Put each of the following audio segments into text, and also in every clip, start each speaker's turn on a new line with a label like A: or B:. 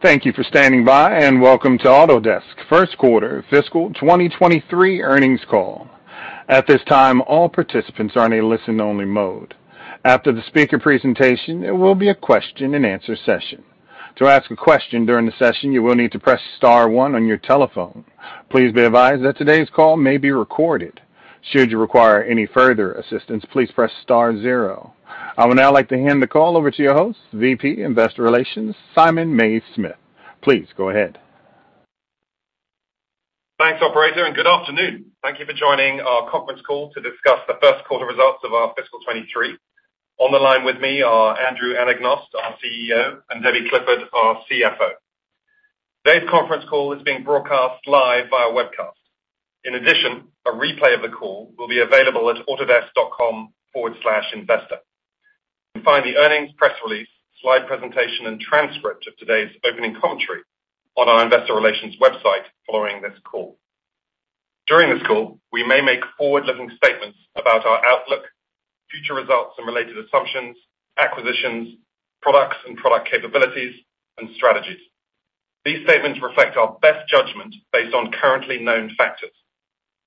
A: Thank you for standing by, and welcome to Autodesk First Quarter Fiscal 2023 Earnings Call. At this time, all participants are in a listen-only mode. After the speaker presentation, there will be a question-and-answer session. To ask a question during the session, you will need to press star one on your telephone. Please be advised that today's call may be recorded. Should you require any further assistance, please press star zero. I would now like to hand the call over to your host, VP, Investor Relations, Simon Mays-Smith. Please go ahead.
B: Thanks operator, and good afternoon. Thank you for joining our conference call to discuss the first quarter results of our fiscal 2023. On the line with me are Andrew Anagnost, our CEO, and Debbie Clifford, our CFO. Today's conference call is being broadcast live via webcast. In addition, a replay of the call will be available at autodesk.com/investor. You can find the earnings, press release, slide presentation, and transcript of today's opening commentary on our investor relations website following this call. During this call, we may make forward-looking statements about our outlook, future results and related assumptions, acquisitions, products, and product capabilities and strategies. These statements reflect our best judgment based on currently known factors.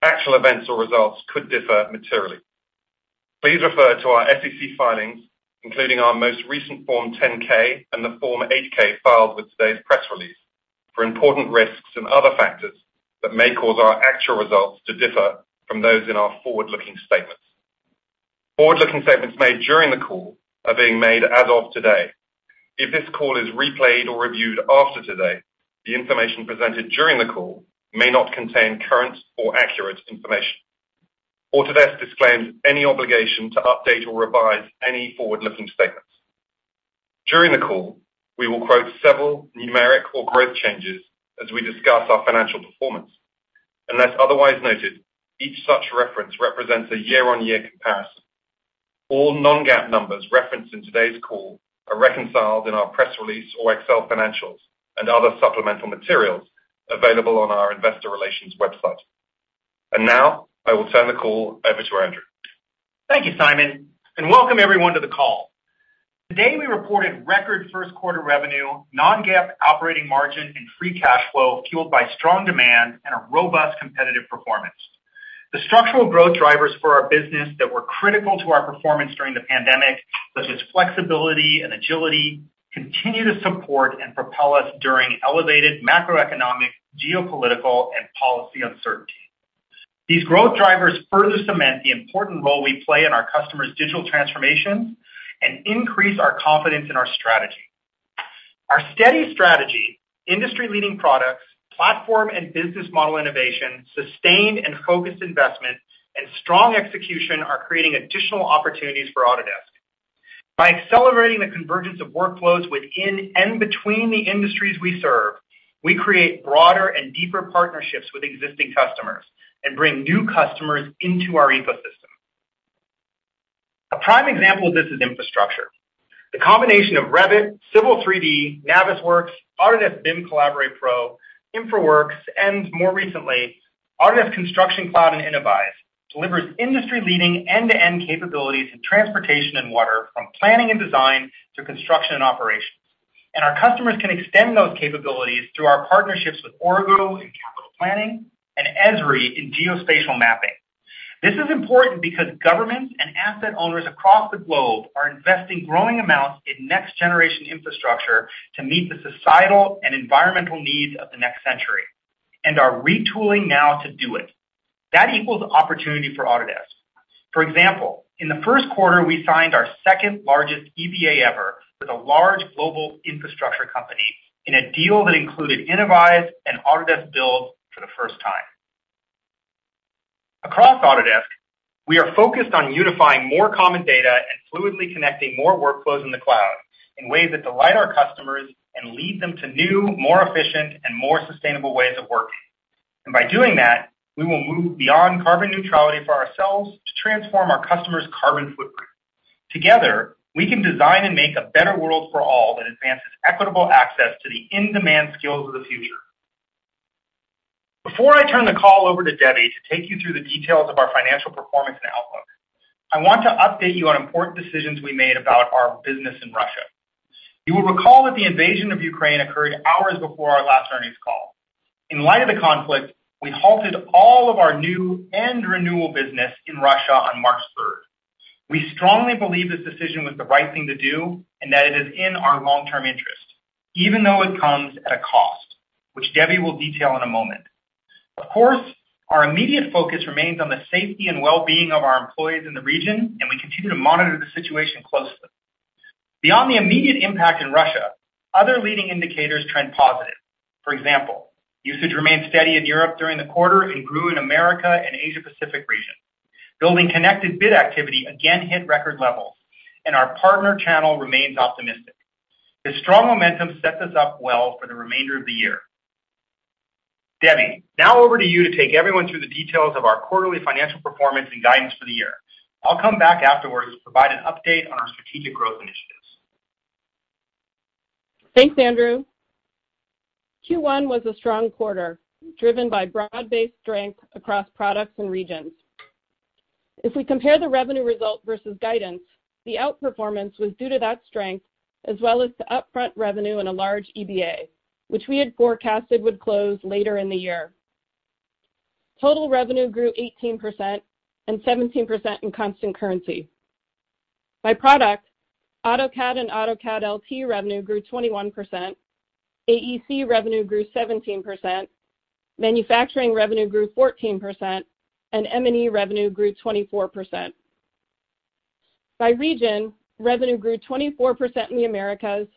B: Actual events or results could differ materially. Please refer to our SEC filings, including our most recent Form 10-K and the Form 8-K filed with today's press release for important risks and other factors that may cause our actual results to differ from those in our forward-looking statements. Forward-looking statements made during the call are being made as of today. If this call is replayed or reviewed after today, the information presented during the call may not contain current or accurate information. Autodesk disclaims any obligation to update or revise any forward-looking statements. During the call, we will quote several numeric or growth changes as we discuss our financial performance. Unless otherwise noted, each such reference represents a year-on-year change. All non-GAAP numbers referenced in today's call are reconciled in our press release or Excel financials and other supplemental materials available on our investor relations website. Now, I will turn the call over to Andrew.
C: Thank you, Simon, and welcome everyone to the call. Today we reported record first quarter revenue, non-GAAP operating margin and free cash flow, fueled by strong demand and a robust competitive performance. The structural growth drivers for our business that were critical to our performance during the pandemic, such as flexibility and agility, continue to support and propel us during elevated macroeconomic, geopolitical, and uncertainty. These growth drivers further cement the important role we play in our customers' digital transformation and increase our confidence in our strategy. Our steady strategy, industry-leading products, platform and business model innovation, sustained and focused investment, and strong execution are creating additional opportunities for Autodesk. By accelerating the convergence of workflows within and between the industries we serve, we create broader and deeper partnerships with existing customers and bring new customers into our ecosystem. A prime example of this is infrastructure. The combination of Revit, Civil 3D, Navisworks, Autodesk BIM Collaborate Pro, InfraWorks, and more recently, Autodesk Construction Cloud and Innovyze, delivers industry-leading end-to-end capabilities in transportation and water, from planning and design to construction and operations. Our customers can extend those capabilities through our partnerships with Aurigo in capital planning and Esri in geospatial mapping. This is important because governments and asset owners across the globe are investing growing amounts in next-generation infrastructure to meet the societal and environmental needs of the next century and are retooling now to do it. That equals opportunity for Autodesk. For example, in the first quarter, we signed our second-largest EBA ever with a large global infrastructure company in a deal that included Innovyze and Autodesk Build for the first time. Across Autodesk, we are focused on unifying more common data and fluidly connecting more workflows in the cloud in ways that delight our customers and lead them to new, more efficient, and more sustainable ways of working. By doing that, we will move beyond carbon neutrality for ourselves to transform our customers' carbon footprint. Together, we can design and make a better world for all that advances equitable access to the in-demand skills of the future. Before I turn the call over to Debbie to take you through the details of our financial performance and outlook, I want to update you on important decisions we made about our business in Russia. You will recall that the invasion of Ukraine occurred hours before our last earnings call. In light of the conflict, we halted all of our new and renewal business in Russia on 3 March 2023. We strongly believe this decision was the right thing to do, and that it is in our long-term interest, even though it comes at a cost, which Debbie will detail in a moment. Of course, our immediate focus remains on the safety and well-being of our employees in the region, and we continue to monitor the situation closely. Beyond the immediate impact in Russia, other leading indicators trend positive. For example, usage remained steady in Europe during the quarter and grew in America and Asia Pacific region. BuildingConnected bid activity again hit record levels, and our partner channel remains optimistic. This strong momentum sets us up well for the remainder of the year. Debbie, now over to you to take everyone through the details of our quarterly financial performance and guidance for the year. I'll come back afterwards to provide an update on our strategic growth initiatives.
D: Thanks, Andrew. first quarter was a strong quarter, driven by broad-based strength across products and regions. If we compare the revenue result versus guidance, the outperformance was due to that strength as well as the upfront revenue in a large EBA, which we had forecasted would close later in the year. Total revenue grew 18% and 17% in constant currency. By product, AutoCAD and AutoCAD LT revenue grew 21%, AEC revenue grew 17%, manufacturing revenue grew 14%, and M&E revenue grew 24%. By region, revenue grew 24% in the Americas,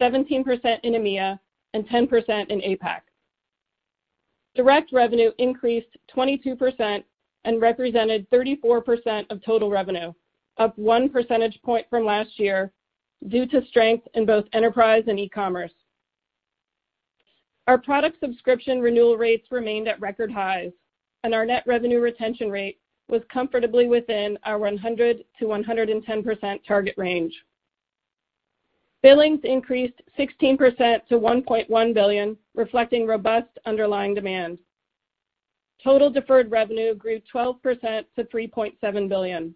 D: 17% in EMEA, and 10% in APAC. Direct revenue increased 22% and represented 34% of total revenue, up 1 percentage point from last year due to strength in both enterprise and e-commerce. Our product subscription renewal rates remained at record highs, and our net revenue retention rate was comfortably within our 100% to 110% target range. Billings increased 16% to $1.1 billion, reflecting robust underlying demand. Total deferred revenue grew 12% to $3.7 billion.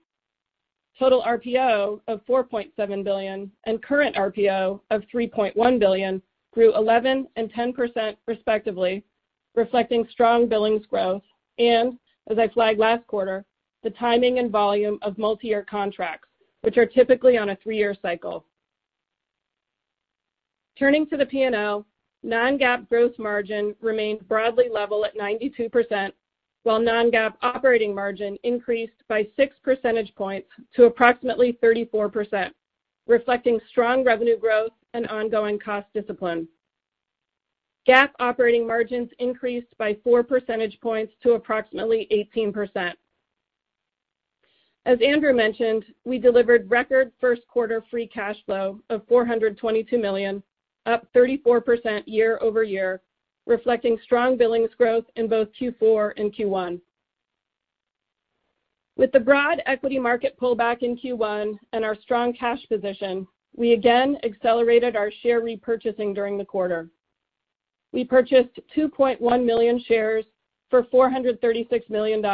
D: Total RPO of $4.7 billion and current RPO of $3.1 billion grew 11% and 10% respectively, reflecting strong billings growth and, as I flagged last quarter, the timing and volume of multiyear contracts, which are typically on a three-year cycle. Turning to the P&L, non-GAAP gross margin remained broadly level at 92%, while non-GAAP operating margin increased by 6 percentage points to approximately 34%, reflecting strong revenue growth and ongoing cost discipline. GAAP operating margins increased by 4 percentage points to approximately 18%. As Andrew mentioned, we delivered record first quarter free cash flow of $422 million, up 34% year-over-year, reflecting strong billings growth in both fourth quarter and first quarter. With the broad equity market pullback in first quarter and our strong cash position, we again accelerated our share repurchasing during the quarter. We purchased 2.1 million shares for $436 million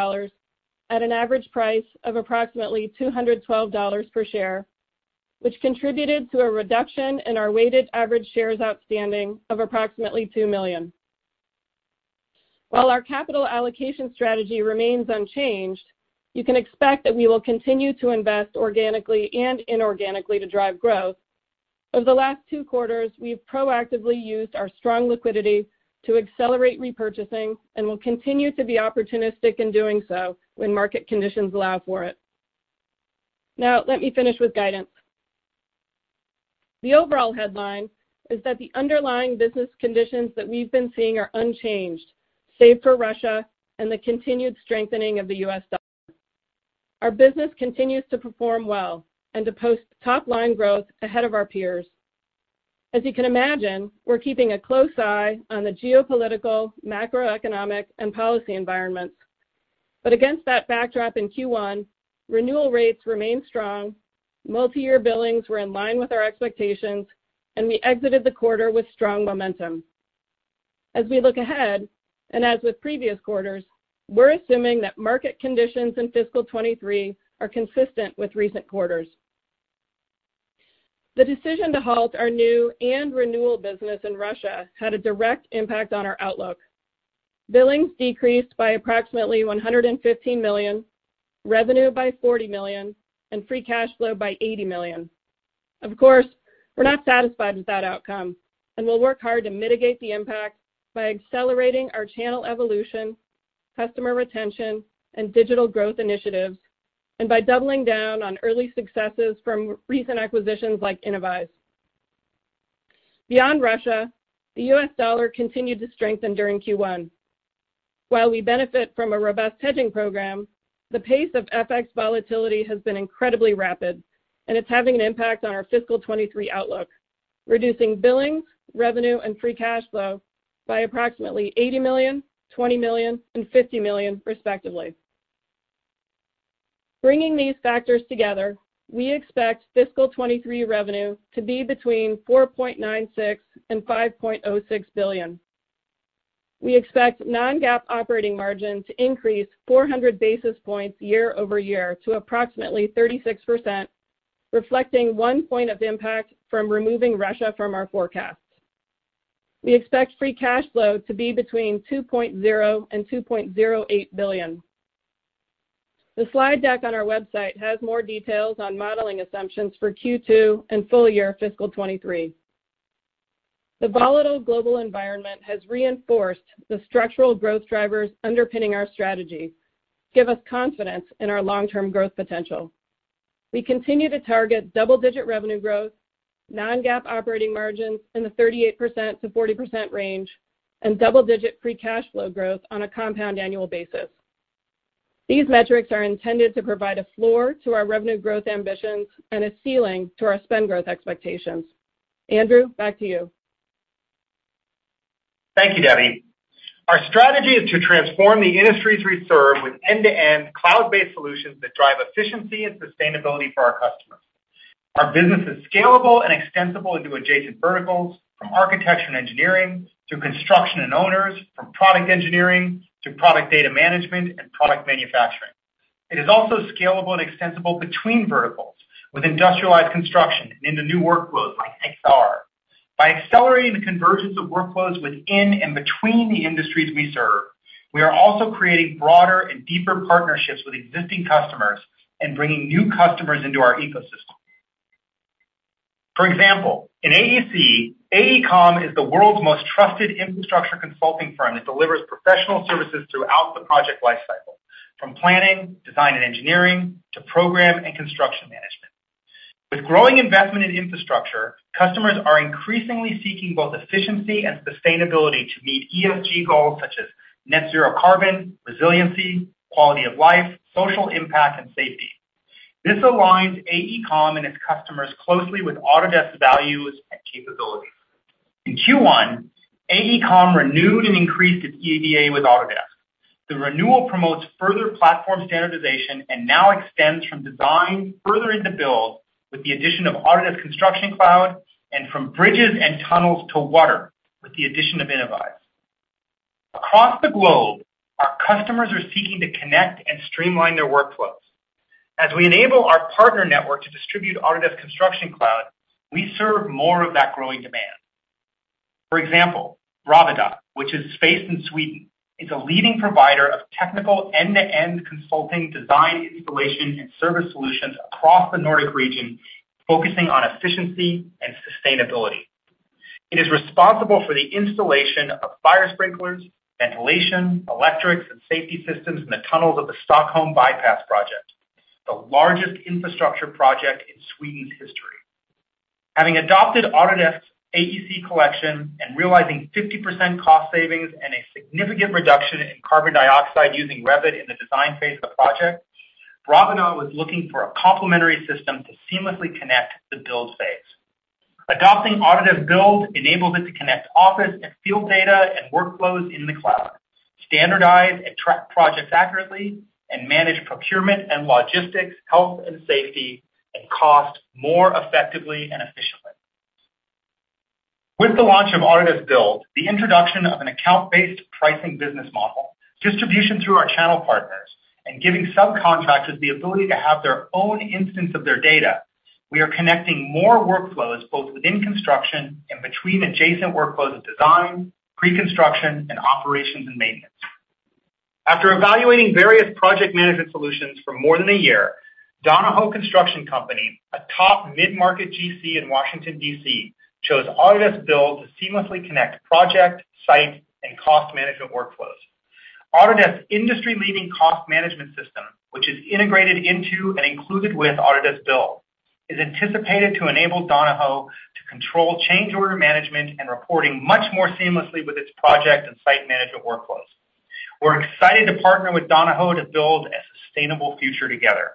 D: at an average price of approximately $212 per share, which contributed to a reduction in our weighted average shares outstanding of approximately 2 million. While our capital allocation strategy remains unchanged, you can expect that we will continue to invest organically and inorganically to drive growth. Over the last two quarters, we've proactively used our strong liquidity to accelerate repurchasing and will continue to be opportunistic in doing so when market conditions allow for it. Now, let me finish with guidance. The overall headline is that the underlying business conditions that we've been seeing are unchanged, save for Russia and the continued strengthening of the US dollar. Our business continues to perform well and to post top-line growth ahead of our peers. As you can imagine, we're keeping a close eye on the geopolitical, macroeconomic, and policy environments. Against that backdrop in first quarter, renewal rates remained strong, multiyear billings were in line with our expectations, and we exited the quarter with strong momentum. As we look ahead, and as with previous quarters, we're assuming that market conditions in fiscal 2023 are consistent with recent quarters. The decision to halt our new and renewal business in Russia had a direct impact on our outlook. Billings decreased by approximately $115 million, revenue by $40 million, and free cash flow by $80 million. Of course, we're not satisfied with that outcome, and we'll work hard to mitigate the impact by accelerating our channel evolution, customer retention, and digital growth initiatives, and by doubling down on early successes from recent acquisitions like Innovyze. Beyond Russia, the US dollar continued to strengthen during first quarter. While we benefit from a robust hedging program, the pace of FX volatility has been incredibly rapid, and it's having an impact on our fiscal 2023 outlook, reducing billings, revenue, and free cash flow by approximately $80 million, $20 million, and $50 million, respectively. Bringing these factors together, we expect fiscal 2023 revenue to be between $4.96 billion and $5.06 billion. We expect non-GAAP operating margin to increase 400-basis points year-over-year to approximately 36%, reflecting one point of impact from removing Russia from our forecast. We expect free cash flow to be between $2.0 billion and $2.08 billion. The slide deck on our website has more details on modeling assumptions for second quarter and full year fiscal 2023. The volatile global environment has reinforced the structural growth drivers underpinning our strategy, give us confidence in our long-term growth potential. We continue to target double-digit revenue growth, non-GAAP operating margins in the 38% to 40% range, and double-digit free cash flow growth on a compound annual basis. These metrics are intended to provide a floor to our revenue growth ambitions and a ceiling to our spend growth expectations. Andrew, back to you.
C: Thank you, Debbie. Our strategy is to transform the industries we serve with end-to-end cloud-based solutions that drive efficiency and sustainability for our customers. Our business is scalable and extensible into adjacent verticals, from architecture and engineering to construction and owners, from product engineering to product data management and product manufacturing. It is also scalable and extensible between verticals with industrialized construction and into new workflows like XR. By accelerating the convergence of workflows within and between the industries we serve, we are also creating broader and deeper partnerships with existing customers and bringing new customers into our ecosystem. For example, in AEC, AECOM is the world's most trusted infrastructure consulting firm that delivers professional services throughout the project lifecycle, from planning, design and engineering to program and construction management. With growing investment in infrastructure, customers are increasingly seeking both efficiency and sustainability to meet ESG goals such as net zero carbon, resiliency, quality of life, social impact and safety. This aligns AECOM and its customers closely with Autodesk's values and capabilities. In first quarter, AECOM renewed and increased its EBA with Autodesk. The renewal promotes further platform standardization and now extends from design further into build with the addition of Autodesk Construction Cloud and from bridges and tunnels to water with the addition of Innovyze. Across the globe, our customers are seeking to connect and streamline their workflows. As we enable our partner network to distribute Autodesk Construction Cloud, we serve more of that growing demand. For example, Bravida, which is based in Sweden, is a leading provider of technical end-to-end consulting, design, installation, and service solutions across the Nordic region, focusing on efficiency and sustainability. It is responsible for the installation of fire sprinklers, ventilation, electrics, and safety systems in the tunnels of the Stockholm Bypass project, the largest infrastructure project in Sweden's history. Having adopted Autodesk's AEC Collection and realizing 50% cost savings and a significant reduction in carbon dioxide using Revit in the design phase of the project, Bravida was looking for a complementary system to seamlessly connect the build phase. Adopting Autodesk Build enabled it to connect office and field data and workflows in the cloud, standardize and track projects accurately, and manage procurement and logistics, health and safety, and cost more effectively and efficiently. With the launch of Autodesk Build, the introduction of an account-based pricing business model, distribution through our channel partners, and giving subcontractors the ability to have their own instance of their data, we are connecting more workflows both within construction and between adjacent workflows of design, pre-construction, and operations and maintenance. After evaluating various project management solutions for more than a year, Donohoe Construction Company, a top mid-market GC in Washington, D.C., chose Autodesk Build to seamlessly connect project, site, and cost management workflows. Autodesk's industry-leading cost management system, which is integrated into and included with Autodesk Build, is anticipated to enable Donohoe to control change order management and reporting much more seamlessly with its project and site management workflows. We're excited to partner with Donohoe to build a sustainable future together.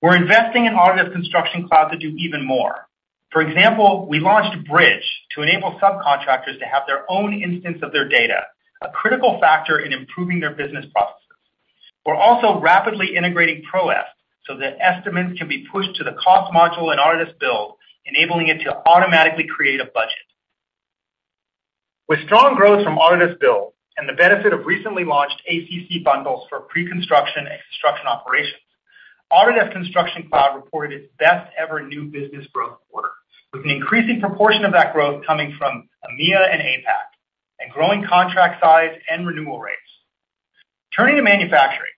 C: We're investing in Autodesk Construction Cloud to do even more. For example, we launched Bridge to enable subcontractors to have their own instance of their data, a critical factor in improving their business processes. We're also rapidly integrating ProEst so that estimates can be pushed to the cost module in Autodesk Build, enabling it to automatically create a budget. With strong growth from Autodesk Build and the benefit of recently launched ACC bundles for pre-construction and construction operations, Autodesk Construction Cloud reported its best-ever new business growth quarter, with an increasing proportion of that growth coming from EMEA and APAC and growing contract size and renewal rates. Turning to manufacturing,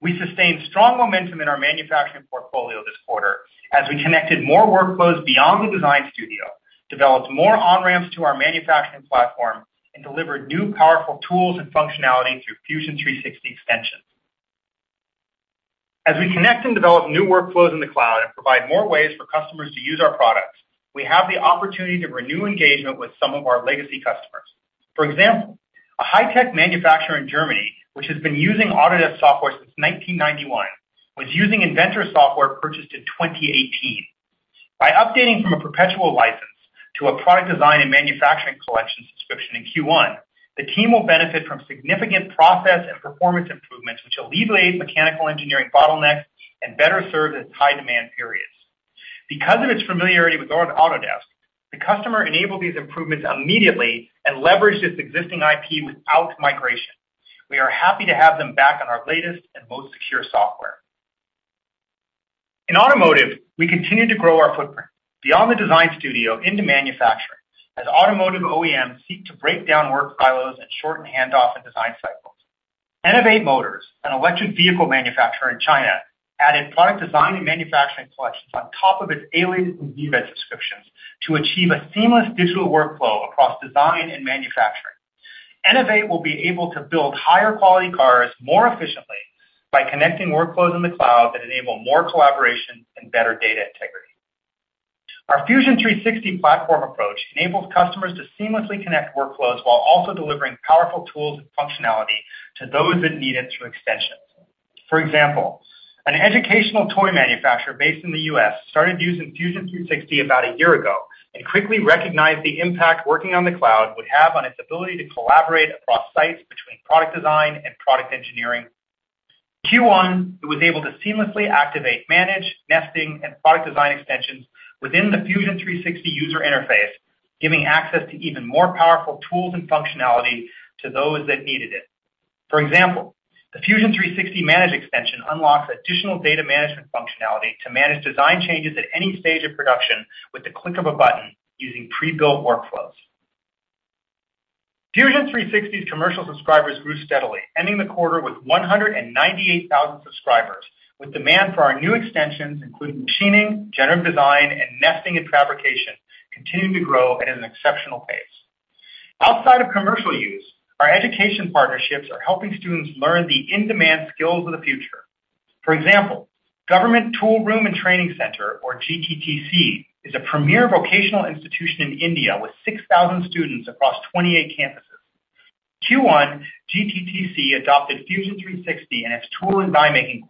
C: we sustained strong momentum in our manufacturing portfolio this quarter as we connected more workflows beyond the design studio, developed more on-ramps to our manufacturing platform, and delivered new powerful tools and functionality through Fusion 360 extensions. As we connect and develop new workflows in the cloud and provide more ways for customers to use our products, we have the opportunity to renew engagement with some of our legacy customers. For example, a high-tech manufacturer in Germany, which has been using Autodesk software since 1991, was using Inventor software purchased in 2018. By updating from a perpetual license to a Product Design & Manufacturing Collection subscription in first quarter, the team will benefit from significant process and performance improvements, which alleviate mechanical engineering bottlenecks and better serve its high-demand periods. Because of its familiarity with Autodesk, the customer enabled these improvements immediately and leveraged its existing IP without migration. We are happy to have them back on our latest and most secure software. In automotive, we continue to grow our footprint beyond the design studio into manufacturing as automotive OEMs seek to break down work silos and shorten handoff and design cycles. NIO, an electric vehicle manufacturer in China, added Product Design & Manufacturing Collections on top of its Alias and VRED subscriptions to achieve a seamless digital workflow across design and manufacturing. NIO will be able to build higher-quality cars more efficiently by connecting workflows in the cloud that enable more collaboration and better data integrity. Our Fusion 360 platform approach enables customers to seamlessly connect workflows while also delivering powerful tools and functionality to those that need it through extensions. For example, an educational toy manufacturer based in the US started using Fusion 360 about a year ago and quickly recognized the impact working on the cloud would have on its ability to collaborate across sites between product design and product engineering. It was able to seamlessly activate, manage, nesting, and product design extensions within the Fusion 360 user interface, giving access to even more powerful tools and functionality to those that needed it. For example, the Fusion 360 Manage extension unlocks additional data management functionality to manage design changes at any stage of production with the click of a button using pre-built workflows. Fusion 360's commercial subscribers grew steadily, ending the quarter with 198,000 subscribers, with demand for our new extensions, including machining, generative design, and nesting and fabrication, continuing to grow at an exceptional pace. Outside of commercial use, our education partnerships are helping students learn the in-demand skills of the future. For example, Government Tool Room & Training Centre, or GTTC, is a premier vocational institution in India with 6,000 students across 28 campuses. first quarter, GTTC adopted Fusion 360 and its tool and die-making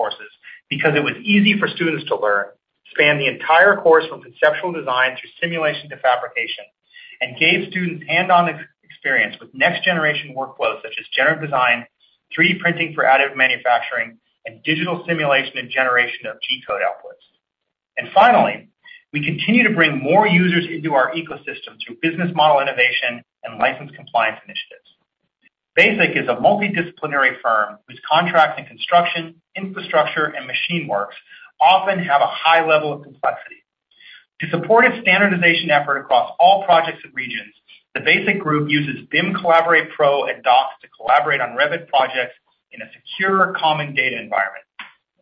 C: courses because it was easy for students to learn, spanned the entire course from conceptual design to simulation to fabrication, and gave students hands-on experience with next-generation workflows such as generative design, 3D printing for additive manufacturing, and digital simulation and generation of G-code outputs. Finally, we continue to bring more users into our ecosystem through business model innovation and license compliance initiatives. BESIX is a multidisciplinary firm whose contracts in construction, infrastructure, and marine works often have a high level of complexity. To support its standardization effort across all projects and regions, the BESIX Group uses BIM Collaborate Pro and Docs to collaborate on Revit projects in a secure, common data environment.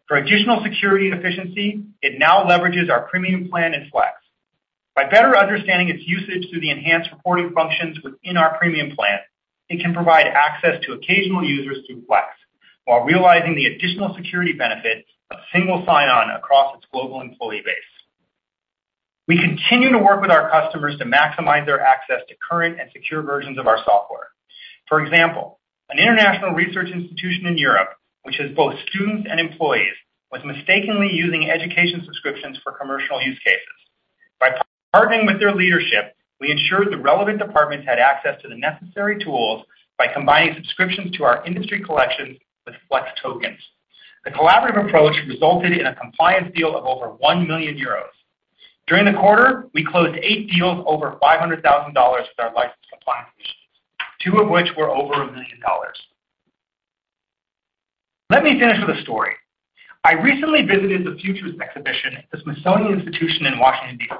C: For additional security and efficiency, it now leverages our premium plan and Flex. By better understanding its usage through the enhanced reporting functions within our premium plan, it can provide access to occasional users through Flex while realizing the additional security benefits of single sign-on across its global employee base. We continue to work with our customers to maximize their access to current and secure versions of our software. For example, an international research institution in Europe, which has both students and employees, was mistakenly using education subscriptions for commercial use cases. By partnering with their leadership, we ensured the relevant departments had access to the necessary tools by combining subscriptions to our industry collections with Flex tokens. The collaborative approach resulted in a compliance deal of over 1 million euros. During the quarter, we closed eight deals over $500 thousand with our license compliance initiatives, two of which were over $1 million. Let me finish with a story. I recently visited the FUTURES Exhibition at the Smithsonian Institution in Washington, DC.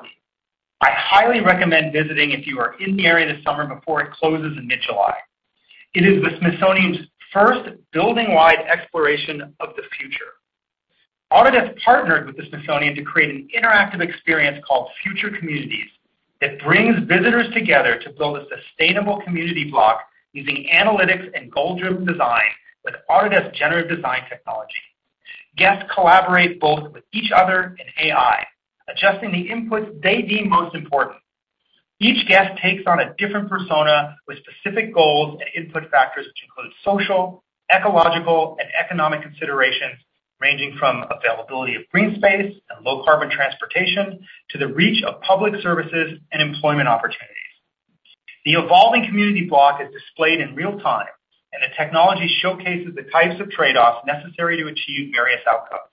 C: I highly recommend visiting if you are in the area this summer before it closes in mid-July. It is the Smithsonian's first building-wide exploration of the future. Autodesk partnered with the Smithsonian to create an interactive experience called Future Communities that brings visitors together to build a sustainable community block using analytics and goal-driven design with Autodesk generative design technology. Guests collaborate both with each other and AI, adjusting the inputs they deem most important. Each guest takes on a different persona with specific goals and input factors, which include social, ecological, and economic considerations, ranging from availability of green space and low-carbon transportation to the reach of public services and employment opportunities. The evolving community block is displayed in real time, and the technology showcases the types of trade-offs necessary to achieve various outcomes.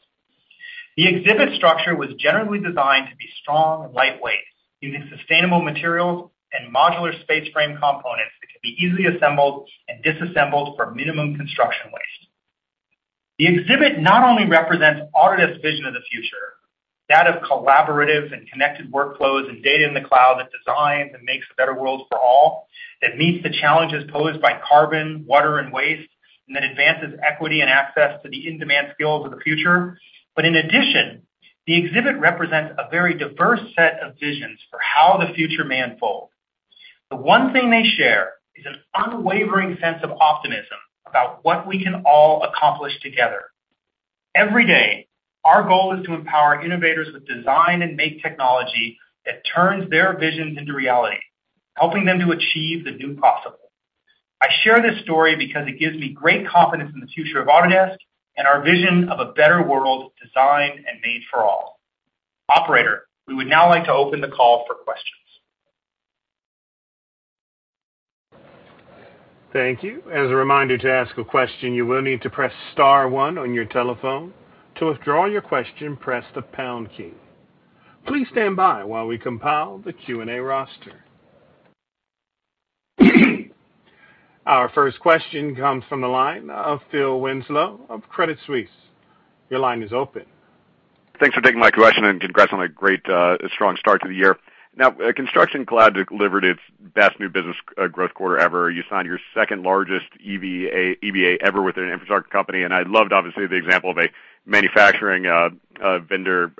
C: The exhibit structure was generally designed to be strong and lightweight, using sustainable materials and modular space frame components that can be easily assembled and disassembled for minimum construction waste. The exhibit not only represents Autodesk's vision of the future, that of collaborative and connected workflows and data in the cloud that designs and makes a better world for all, that meets the challenges posed by carbon, water, and waste, and that advances equity and access to the in-demand skills of the future. In addition, the exhibit represents a very diverse set of visions for how the future may unfold. The one thing they share is an unwavering sense of optimism about what we can all accomplish together. Every day, our goal is to empower innovators with design and make technology that turns their visions into reality, helping them to achieve the new possible. I share this story because it gives me great confidence in the future of Autodesk and our vision of a better world designed and made for all. Operator, we would now like to open the call for questions.
A: Thank you. As a reminder, to ask a question, you will need to press star one on your telephone. To withdraw your question, press the pound key. Please stand by while we compile the Q&A roster. Our first question comes from the line of Phil Winslow of Credit Suisse. Your line is open.
E: Thanks for taking my question, and congrats on a great strong start to the year. Now, Construction Cloud delivered its best new business growth quarter ever. You signed your second-largest EBA ever with an infrastructure company, and I loved, obviously, the example of a manufacturing vendor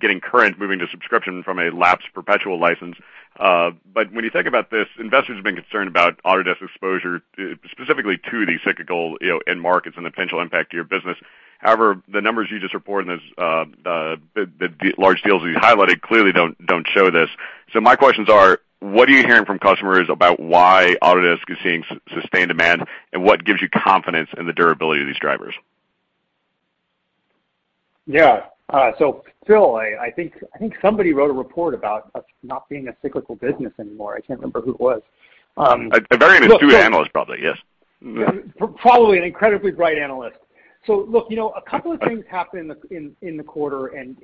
E: getting current, moving to subscription from a lapsed perpetual license. When you think about this, investors have been concerned about Autodesk exposure, specifically to these cyclical, you know, end markets and the potential impact to your business. However, the numbers you just reported, those, the large deals that you highlighted clearly don't show this. My questions are, what are you hearing from customers about why Autodesk is seeing sustained demand, and what gives you confidence in the durability of these drivers?
C: Yeah. Phil, I think somebody wrote a report about us not being a cyclical business anymore. I can't remember who it was.
E: A very astute analyst probably... Yes.
C: Yeah. Probably an incredibly bright analyst. Look, you know, a couple of things happened in the quarter and,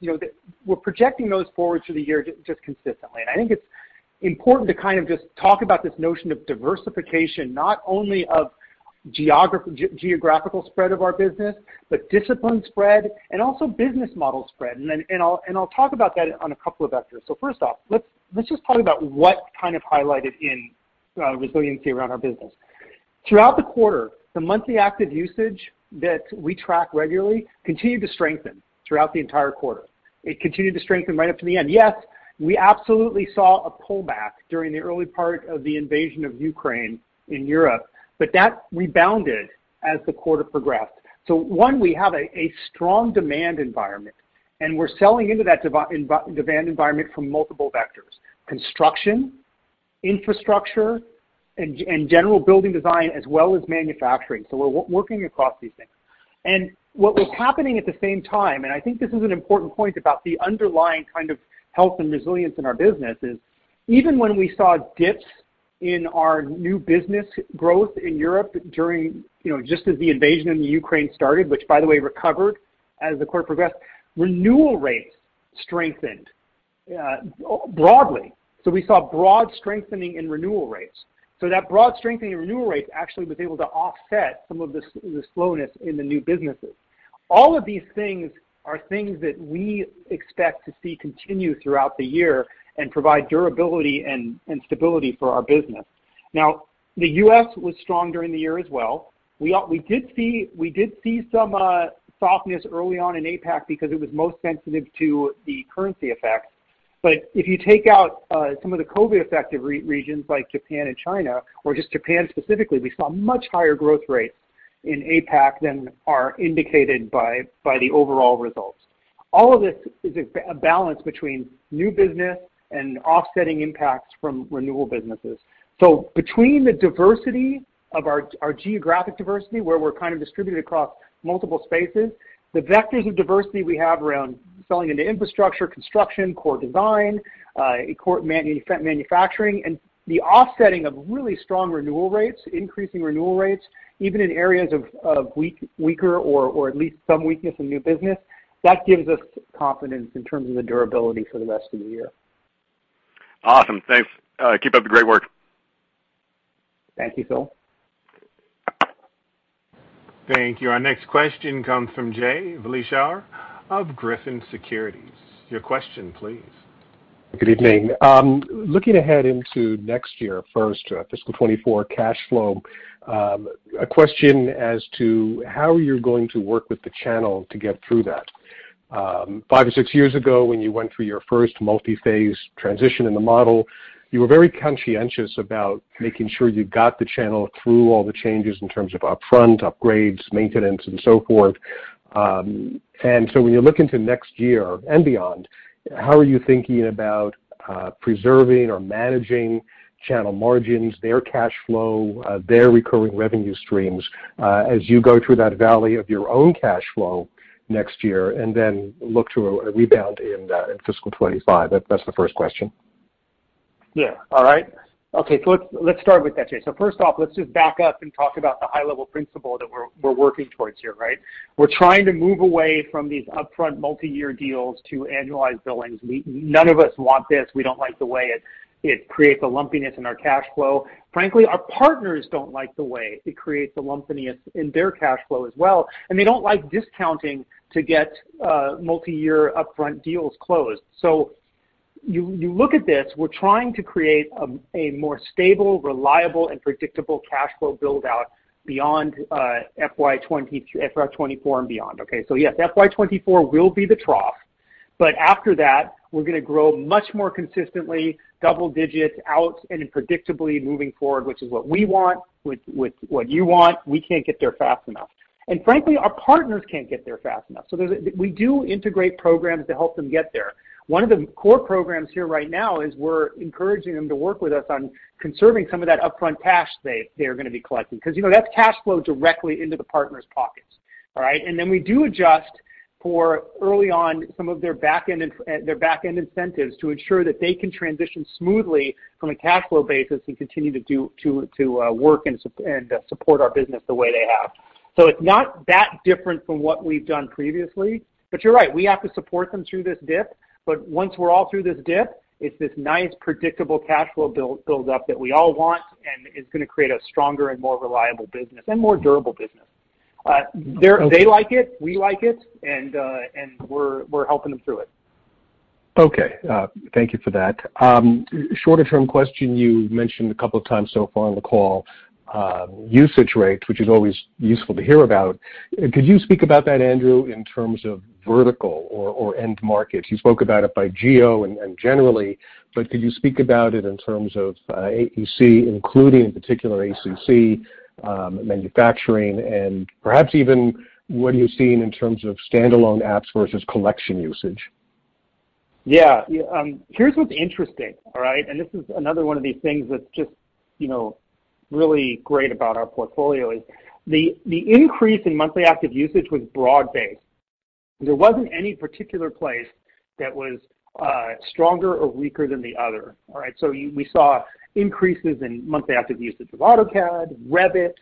C: you know, we're projecting those forward through the year just consistently. I think it's important to kind of just talk about this notion of diversification not only of geographical spread of our business, but discipline spread and also business model spread. Then, I'll talk about that on a couple of vectors. First off, let's just talk about what kind of highlighted our resiliency around our business. Throughout the quarter, the monthly active usage that we track regularly continued to strengthen throughout the entire quarter. It continued to strengthen right up to the end. Yes, we absolutely saw a pullback during the early part of the invasion of Ukraine in Europe, but that rebounded as the quarter progressed. One, we have a strong demand environment, and we're selling into that demand environment from multiple vectors, construction, infrastructure, and general building design, as well as manufacturing. We're working across these things. What was happening at the same time, and I think this is an important point about the underlying kind of health and resilience in our business, is even when we saw dips in our new business growth in Europe during, you know, just as the invasion in Ukraine started, which by the way recovered as the quarter progressed, renewal rates strengthened broadly. We saw broad strengthening in renewal rates. That broad strengthening in renewal rates actually was able to offset some of the slowness in the new businesses. All of these things are things that we expect to see continue throughout the year and provide durability and stability for our business. Now, the US was strong during the year as well. We did see some softness early on in APAC because it was most sensitive to the currency effects. If you take out some of the COVID-affected regions like Japan and China or just Japan specifically, we saw much higher growth rates in APAC than are indicated by the overall results. All of this is a balance between new business and offsetting impacts from renewal businesses. Between the diversity of our geographic diversity, where we're kind of distributed across multiple spaces, the vectors of diversity we have around selling into infrastructure, construction, core design, core manufacturing, and the offsetting of really strong renewal rates, increasing renewal rates, even in areas of weaker or at least some weakness in new business, that gives us confidence in terms of the durability for the rest of the year.
E: Awesome. Thanks. Keep up the great work.
C: Thank you, Phil.
A: Thank you. Our next question comes from Jay Vleeschhouwer of Griffin Securities. Your question, please.
F: Good evening. Looking ahead into next year first, fiscal 2024 cash flow, a question as to how you're going to work with the channel to get through that. Five or six years ago, when you went through your first multi-phase transition in the model, you were very conscientious about making sure you got the channel through all the changes in terms of upfront upgrades, maintenance, and so forth. When you look into next year and beyond, how are you thinking about preserving or managing channel margins, their cash flow, their recurring revenue streams, as you go through that valley of your own cash flow next year and then look to a rebound in fiscal 2025? That's the first question.
C: Yeah. All right. Okay. Let's start with that, Jay. First off, let's just back up and talk about the high-level principle that we're working towards here, right? We're trying to move away from these upfront multi-year deals to annualized billings. None of us want this. We don't like the way it creates a lumpiness in our cash flow. Frankly, our partners don't like the way it creates a lumpiness in their cash flow as well, and they don't like discounting to get multi-year upfront deals closed. You look at this, we're trying to create a more stable, reliable, and predictable cash flow build-out beyond fiscal year 2024 and beyond, okay? Yes, fiscal year 2024 will be the trough, but after that, we're gonna grow much more consistently double digits out and predictably moving forward, which is what we want, which what you want. We can't get there fast enough. Frankly, our partners can't get there fast enough. We do integrate programs to help them get there. One of the core programs here right now is we're encouraging them to work with us on conserving some of that upfront cash they're gonna be collecting cause, you know, that's cash flow directly into the partner's pockets, all right? We do adjust for early on some of their back-end incentives to ensure that they can transition smoothly from a cash flow basis and continue to work and support our business the way they have. It's not that different from what we've done previously. You're right, we have to support them through this dip. Once we're all through this dip, it's this nice, predictable cash flow build up that we all want and is gonna create a stronger and more reliable business and more durable business.
F: Okay...
C: They like it, we like it, and we're helping them through it.
F: Okay. Thank you for that. Shorter term question, you mentioned a couple of times so far on the call, usage rates, which is always useful to hear about. Could you speak about that, Andrew, in terms of vertical or end market? You spoke about it by geo and generally, but could you speak about it in terms of, AEC, including in particular ACC, manufacturing, and perhaps even what are you seeing in terms of standalone apps versus collection usage?
C: Yeah. Yeah, here's what's interesting, all right? This is another one of these things that's just, you know, really great about our portfolio is the increase in monthly active usage was broad-based. There wasn't any particular place that was stronger or weaker than the other. All right? We saw increases in monthly active usage of AutoCAD, Revit,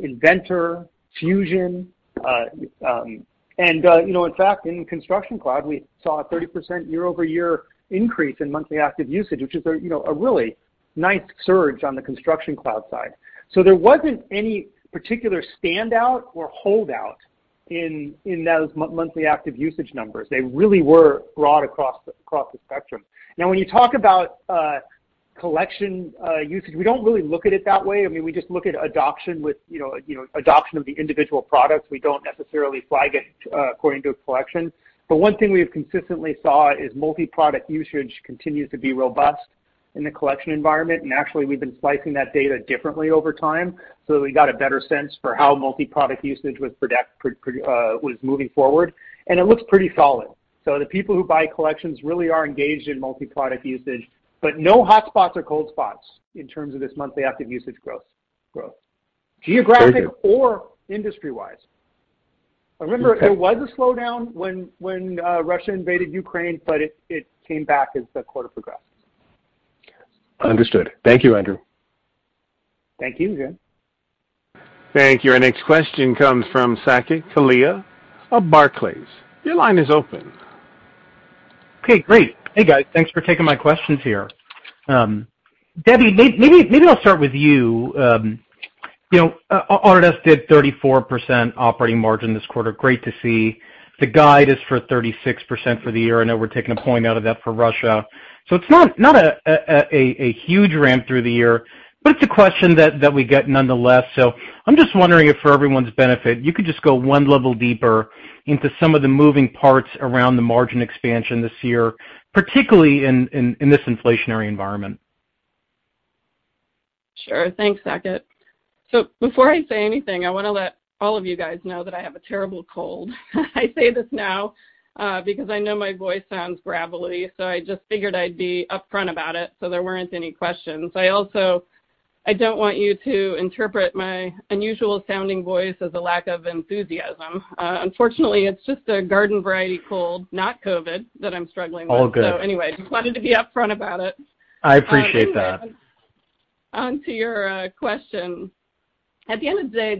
C: Inventor, Fusion, and, you know, in fact, in Construction Cloud, we saw a 30% year-over-year increase in monthly active usage, which is a, you know, a really nice surge on the Construction Cloud side. There wasn't any particular standout or holdout in those monthly active usage numbers. They really were broad across the spectrum. Now, when you talk about collection usage, we don't really look at it that way. I mean, we just look at adoption with, you know, you know, adoption of the individual products. We don't necessarily flag it according to a collection. One thing we have consistently saw is multi-product usage continues to be robust in the collection environment. Actually, we've been slicing that data differently over time so that we got a better sense for how multi-product usage was moving forward, and it looks pretty solid. The people who buy collections really are engaged in multi-product usage, but no hotspots or cold spots in terms of this monthly active usage growth.
F: Okay.
C: Geographic or industry-wise. Remember, there was a slowdown when Russia invaded Ukraine, but it came back as the quarter progressed.
F: Understood. Thank you, Andrew.
C: Thank you, Jay.
A: Thank you. Our next question comes from Saket Kalia of Barclays. Your line is open.
G: Okay, great. Hey, guys. Thanks for taking my questions here. Debbie, maybe I'll start with you. You know, Autodesk did 34% operating margin this quarter. Great to see. The guide is for 36% for the year. I know we're taking a point out of that for Russia. It's not a huge ramp through the year, but it's a question that we get nonetheless. I'm just wondering if for everyone's benefit, you could just go one level deeper into some of the moving parts around the margin expansion this year, particularly in this inflationary environment.
D: Sure. Thanks, Saket. Before I say anything, I want to let all of you guys know that I have a terrible cold. I say this now, because I know my voice sounds gravelly, so I just figured I'd be upfront about it, so there weren't any questions. I also, I don't want you to interpret my unusual sounding voice as a lack of enthusiasm. Unfortunately, it's just a garden variety cold, not COVID, that I'm struggling with.
G: All good...
D: Anyway, just wanted to be upfront about it.
G: I appreciate that.
D: On to your question. At the end of the day,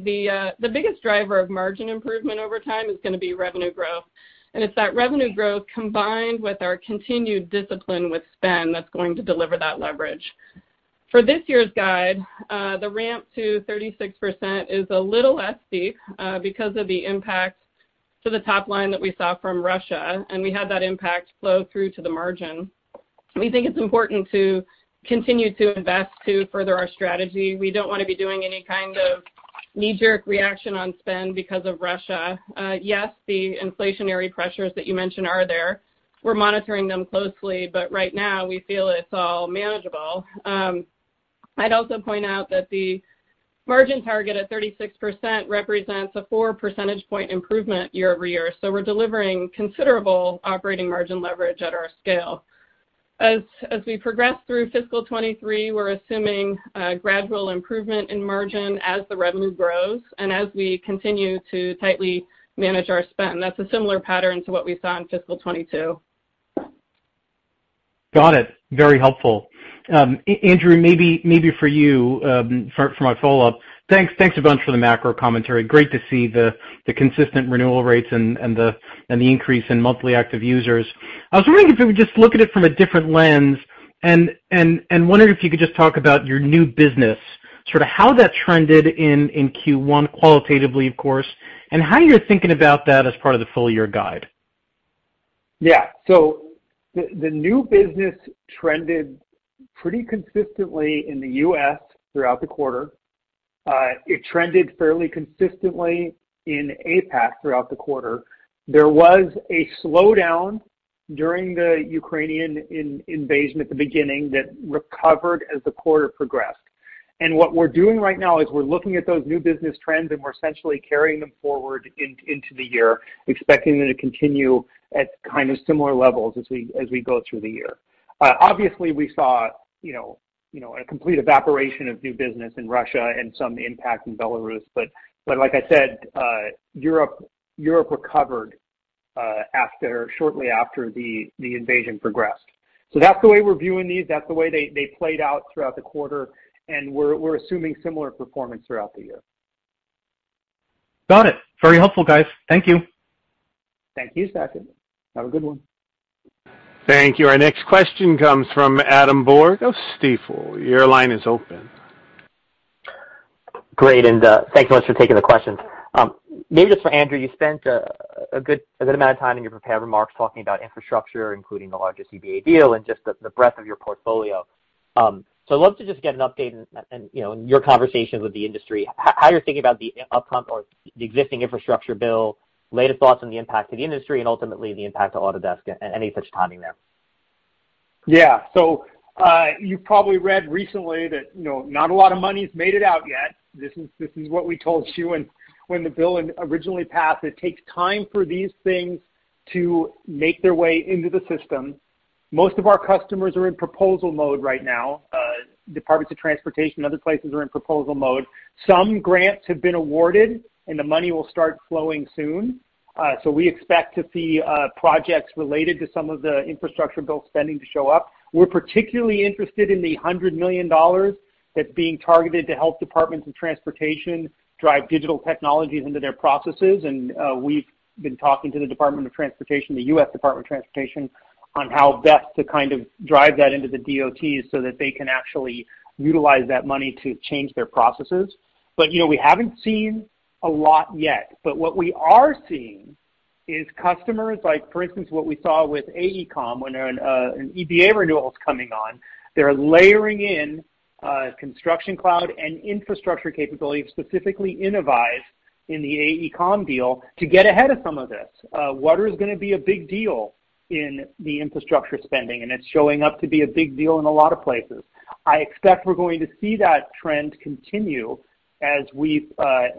D: the biggest driver of margin improvement over time is gonna be revenue growth. It's that revenue growth combined with our continued discipline with spend that's going to deliver that leverage. For this year's guide, the ramp to 36% is a little less steep, because of the impact to the top line that we saw from Russia, and we had that impact flow through to the margin. We think it's important to continue to invest to further our strategy. We don't want to be doing any kind of knee-jerk reaction on spend because of Russia. Yes, the inflationary pressures that you mentioned are there. We're monitoring them closely, but right now we feel it's all manageable. I'd also point out that the margin target at 36% represents a 4 percentage point improvement year-over-year. We're delivering considerable operating margin leverage at our scale. As we progress through fiscal 2023, we're assuming a gradual improvement in margin as the revenue grows and as we continue to tightly manage our spend. That's a similar pattern to what we saw in fiscal 2022.
G: Got it. Very helpful. Andrew, maybe for you for my follow-up. Thanks a bunch for the macro commentary. Great to see the consistent renewal rates and the increase in monthly active users. I was wondering if you would just look at it from a different lens and wondered if you could just talk about your new business, sort of how that trended in first quarter qualitatively, of course, and how you're thinking about that as part of the full year guide.
C: Yeah. The new business trended pretty consistently in the US throughout the quarter. It trended fairly consistently in APAC throughout the quarter. There was a slowdown during the Russian invasion at the beginning that recovered as the quarter progressed. What we're doing right now is we're looking at those new business trends, and we're essentially carrying them forward into the year, expecting them to continue at kind of similar levels as we go through the year. Obviously, we saw, you know, a complete evaporation of new business in Russia and some impact in Belarus. But like I said, Europe recovered shortly after the invasion progressed. That's the way we're viewing these. That's the way they played out throughout the quarter, and we're assuming similar performance throughout the year.
G: Got it. Very helpful, guys. Thank you.
C: Thank you, Saket. Have a good one.
A: Thank you. Our next question comes from Adam Borg of Stifel. Your line is open.
H: Great, thank you much for taking the questions. Maybe just for Andrew, you spent a good amount of time in your prepared remarks talking about infrastructure, including the largest EBA deal and just the breadth of your portfolio. I'd love to just get an update, and you know, in your conversations with the industry, how you're thinking about the upcoming or the existing infrastructure bill, latest thoughts on the impact to the industry and ultimately the impact to Autodesk and any such timing there.
C: Yeah. You probably read recently that, you know, not a lot of money's made it out yet. This is what we told you when the bill originally passed. It takes time for these things to make their way into the system. Most of our customers are in proposal mode right now. Departments of Transportation and other places are in proposal mode. Some grants have been awarded, and the money will start flowing soon. We expect to see projects related to some of the infrastructure bill spending to show up. We're particularly interested in the $100 million that's being targeted to help departments of transportation drive digital technologies into their processes. We've been talking to the Department of Transportation, the US Department of Transportation, on how best to kind of drive that into the DOTs, so that they can actually utilize that money to change their processes. You know, we haven't seen a lot yet. What we are seeing is customers, like for instance, what we saw with AECOM, when an EBA renewal is coming on, they're layering in Construction Cloud and infrastructure capabilities, specifically Innovyze in the AECOM deal to get ahead of some of this. Water is gonna be a big deal in the infrastructure spending, and it's showing up to be a big deal in a lot of places. I expect we're going to see that trend continue as we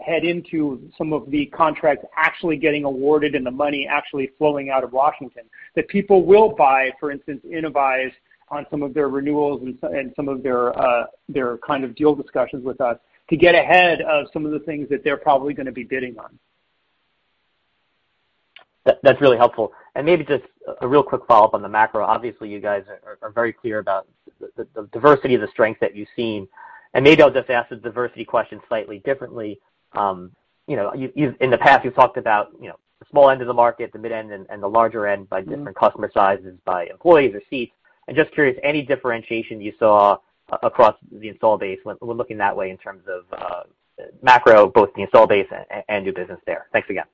C: head into some of the contracts actually getting awarded and the money actually flowing out of Washington. That people will buy, for instance, Innovyze on some of their renewals and some of their kind of deal discussions with us to get ahead of some of the things that they're probably gonna be bidding on.
H: That's really helpful. Maybe just a real quick follow-up on the macro. Obviously, you guys are very clear about the diversity of the strength that you've seen. Maybe I'll just ask the diversity question slightly differently. You know, you've talked about in the past, you know, the small end of the market, the mid end, and the larger end by different customer sizes, by employees or seats. I'm just curious, any differentiation you saw across the installed base when looking that way in terms of macro, both the installed base and new business there. Thanks again.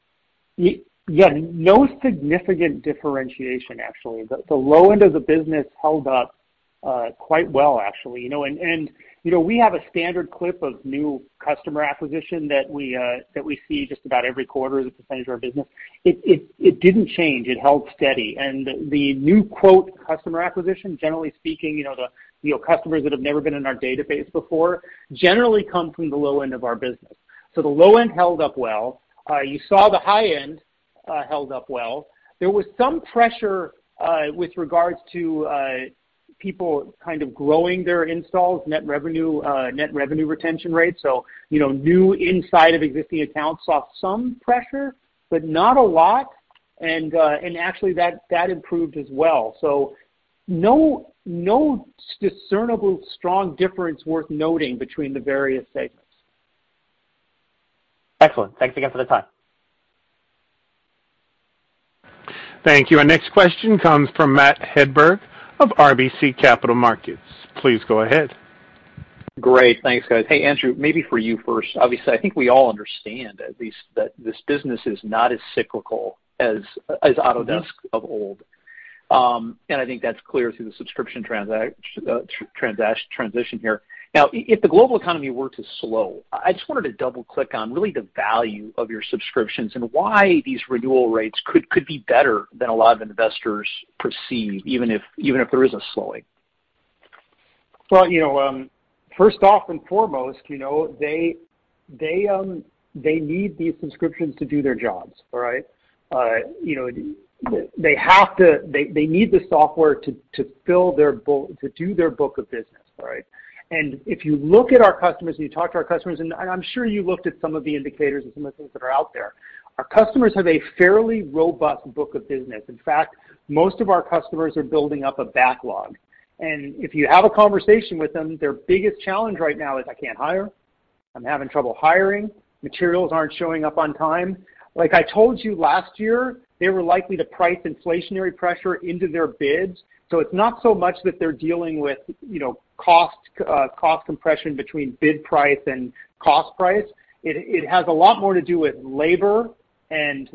C: Yeah, no significant differentiation, actually. The low end of the business held up quite well, actually, you know. You know, we have a standard clip of new customer acquisition that we see just about every quarter as a percentage of our business. It didn't change. It held steady. The new quote customer acquisition, generally speaking, you know, you know, customers that have never been in our database before, generally come from the low end of our business. The low end held up well. You saw the high end held up well. There was some pressure with regards to people kind of growing their installs, net revenue retention rates. You know, new inside of existing accounts saw some pressure, but not a lot. Actually, that improved as well. No discernible strong difference worth noting between the various segments.
H: Excellent. Thanks again for the time.
A: Thank you. Our next question comes from Matt Hedberg of RBC Capital Markets. Please go ahead.
I: Great. Thanks, guys. Hey, Andrew, maybe for you first. Obviously, I think we all understand at least that this business is not as cyclical as Autodesk of old. I think that's clear through the subscription transition here. Now, if the global economy were to slow, I just wanted to double-click on really the value of your subscriptions and why these renewal rates could be better than a lot of investors perceive, even if there is a slowing.
C: Well, you know, first off and foremost, you know, they need these subscriptions to do their jobs, all right? You know, they need the software to do their book of business, all right? If you look at our customers and you talk to our customers, and I'm sure you looked at some of the indicators and some of the things that are out there, our customers have a fairly robust book of business. In fact, most of our customers are building up a backlog. If you have a conversation with them, their biggest challenge right now is, I can't hire. I'm having trouble hiring. Materials aren't showing up on time. Like I told you last year, they were likely to price inflationary pressure into their bids. It's not so much that they're dealing with cost compression between bid price and cost price. It has a lot more to do with labor and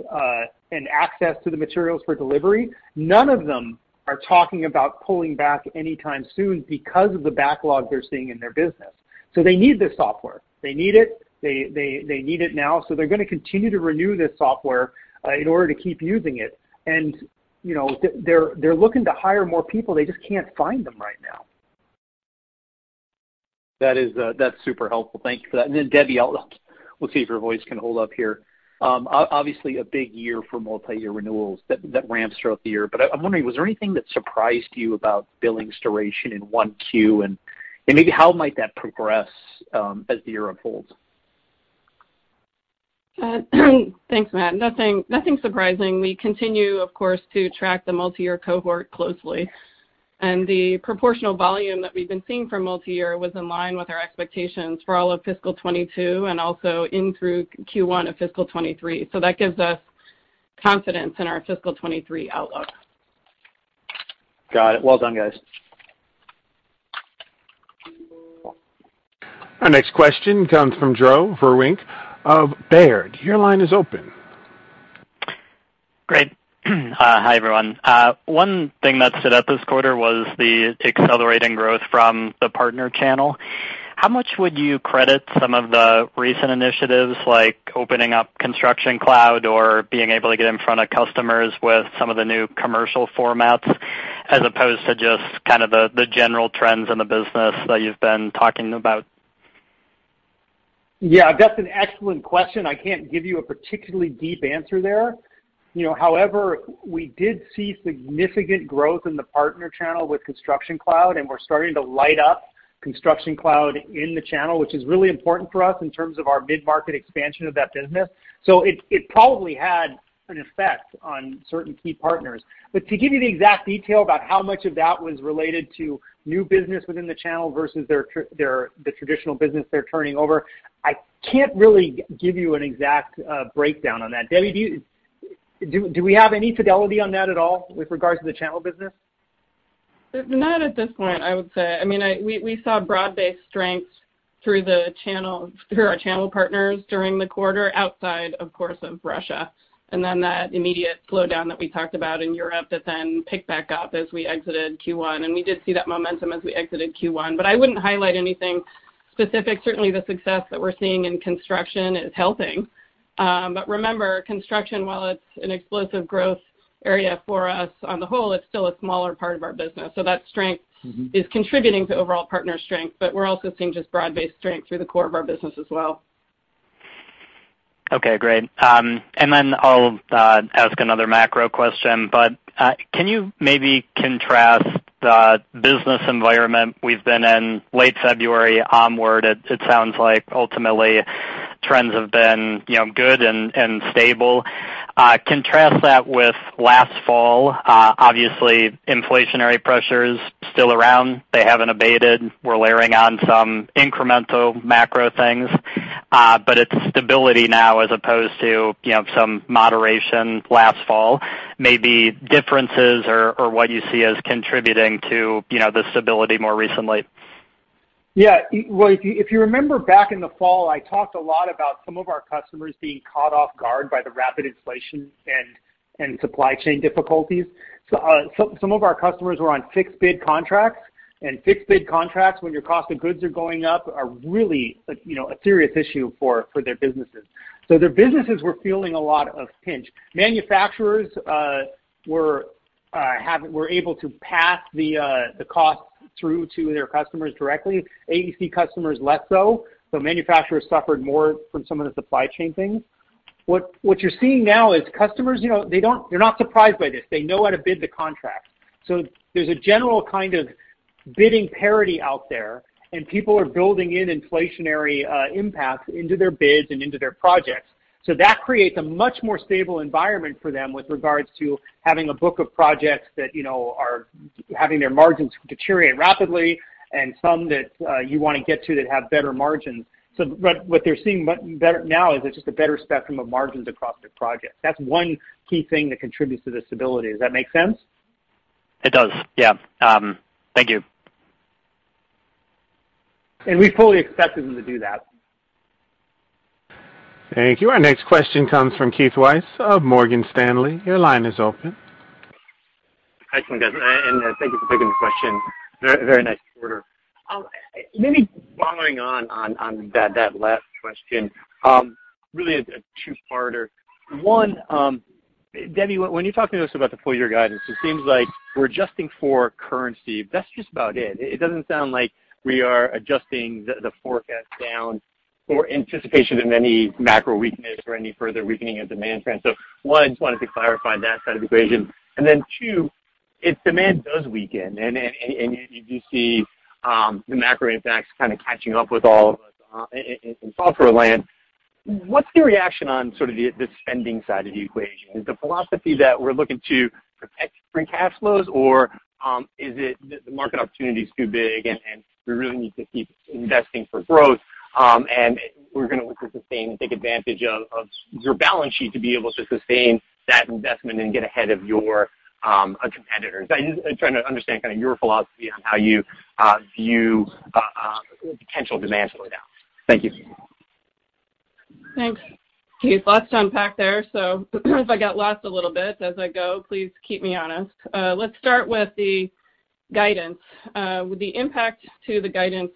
C: access to the materials for delivery. None of them are talking about pulling back anytime soon because of the backlog they're seeing in their business. They need this software. They need it. They need it now. They're gonna continue to renew this software in order to keep using it. They're looking to hire more people. They just can't find them right now.
I: That is, that's super helpful. Thank you for that. Debbie, we'll see if your voice can hold up here. Obviously a big year for multi-year renewals that ramps throughout the year. I'm wondering, was there anything that surprised you about billings duration in first quarter? Maybe how might that progress, as the year unfolds?
D: Thanks, Matt. Nothing surprising. We continue, of course, to track the multi-year cohort closely. The proportional volume that we've been seeing from multi-year was in line with our expectations for all of fiscal 2022 and also in through first quarter of fiscal 2023. That gives us confidence in our fiscal 2023 outlook.
I: Got it. Well done, guys.
A: Our next question comes from Joe Vruwink of Baird. Your line is open.
J: Great. Hi, everyone. One thing that stood out this quarter was the accelerating growth from the partner channel. How much would you credit some of the recent initiatives like opening up Construction Cloud or being able to get in front of customers with some of the new commercial formats as opposed to just kind of the general trends in the business that you've been talking about?
C: Yeah, that's an excellent question. I can't give you a particularly deep answer there. You know, however, we did see significant growth in the partner channel with Construction Cloud, and we're starting to light up Construction Cloud in the channel, which is really important for us in terms of our mid-market expansion of that business. So, it probably had an effect on certain key partners. But to give you the exact detail about how much of that was related to new business within the channel versus the traditional business they're turning over, I can't really give you an exact breakdown on that. Debbie, do we have any fidelity on that at all with regards to the channel business?
D: Not at this point, I would say. I mean, we saw broad-based strengths through the channel, through our channel partners during the quarter, outside, of course, of Russia. Then that immediate slowdown that we talked about in Europe that then picked back up as we exited first quarter. We did see that momentum as we exited first quarter. I wouldn't highlight anything specific. Certainly, the success that we're seeing in construction is helping. Remember, construction, while it's an explosive growth area for us on the whole, it's still a smaller part of our business. That strength...
C: Mm-hmm.
D: Is contributing to overall partner strength, but we're also seeing just broad-based strength through the core of our business as well.
J: Okay, great. I'll ask another macro question. Can you maybe contrast the business environment we've been in late February onward? It sounds like ultimately trends have been, you know, good and stable. Contrast that with last fall, obviously inflationary pressures still around, they haven't abated. We're layering on some incremental macro things. It's stability now as opposed to, you know, some moderation last fall. Maybe differences or what you see as contributing to, you know, the stability more recently.
C: Yeah. Well, if you remember back in the fall, I talked a lot about some of our customers being caught off guard by the rapid inflation and supply chain difficulties. Some of our customers were on fixed bid contracts. Fixed bid contracts, when your cost of goods are going up, are really, you know, a serious issue for their businesses. Their businesses were feeling a lot of pinch. Manufacturers were able to pass the cost through to their customers directly. AEC customers less so manufacturers suffered more from some of the supply chain things. What you're seeing now is customers, you know, they're not surprised by this. They know how to bid the contract. There's a general kind of bidding parity out there, and people are building in inflationary impacts into their bids and into their projects. That creates a much more stable environment for them with regards to having a book of projects that, you know, are having their margins deteriorate rapidly and some that you want to get to that have better margins. What they're seeing better now is it's just a better spectrum of margins across their projects. That's one key thing that contributes to the stability. Does that make sense?
J: It does, yeah. Thank you.
C: We fully expected them to do that.
A: Thank you. Our next question comes from Keith Weiss of Morgan Stanley. Your line is open.
K: Hi, gentlemen, and thank you for taking the question. Very nice quarter. Maybe following on that last question, really a two-parter. One, Debbie, when you talk to us about the full year guidance, it seems like we're adjusting for currency. That's just about it. It doesn't sound like we are adjusting the forecast down or anticipation of any macro weakness or any further weakening of demand trends. One, just wanted to clarify that side of the equation. Then two, if demand does weaken and you do see the macro impacts kind of catching up with all of us in software land, what's the reaction on sort of the spending side of the equation? Is the philosophy that we're looking to protect free cash flows, or is it the market opportunity is too big, and we really need to keep investing for growth, and we're gonna look to sustain and take advantage of your balance sheet to be able to sustain that investment and get ahead of your competitors? I'm just trying to understand kind of your philosophy on how you view potential demand slowdowns. Thank you.
D: Thanks, Keith. Lots to unpack there, so if I get lost a little bit as I go, please keep me honest. Let's start with the guidance. The impact to the guidance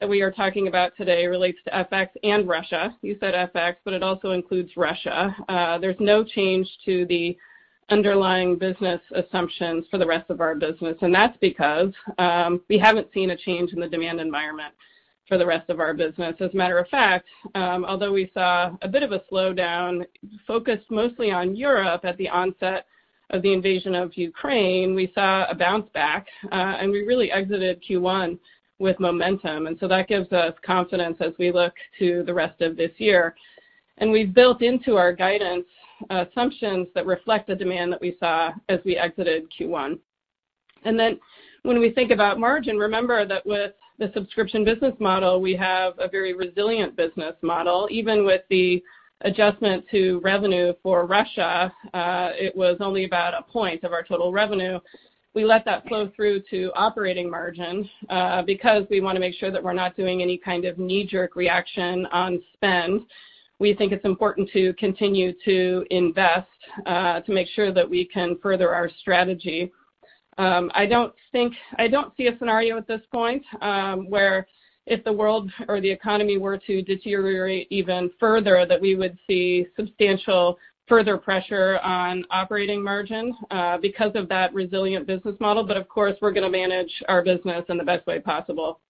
D: that we are talking about today relates to FX and Russia. You said FX, but it also includes Russia. There's no change to the underlying business assumptions for the rest of our business, and that's because we haven't seen a change in the demand environment for the rest of our business. As a matter of fact, although we saw a bit of a slowdown focused mostly on Europe at the onset of the invasion of Ukraine, we saw a bounce back, and we really exited first quarter with momentum. That gives us confidence as we look to the rest of this year. We've built into our guidance assumptions that reflect the demand that we saw as we exited first quarter. When we think about margin, remember that with the subscription business model, we have a very resilient business model. Even with the adjustment to revenue for Russia, it was only about 1% of our total revenue. We let that flow through to operating margin, because we want to make sure that we're not doing any kind of knee-jerk reaction on spend. We think it's important to continue to invest, to make sure that we can further our strategy. I don't see a scenario at this point, where if the world or the economy were to deteriorate even further, that we would see substantial further pressure on operating margins, because of that resilient business model. Of course, we're gonna manage our business in the best way possible.